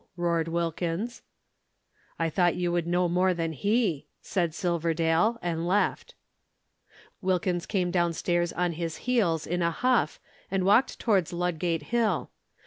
roared Wilkins. "I thought you would know more than he," said Silverdale, and left. Wilkins came downstairs on his heels, in a huff, and walked towards Ludgate Hill.